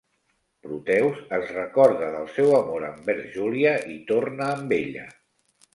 Proteus es recorda del seu amor envers Júlia i torna amb ella.